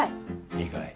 いいかい？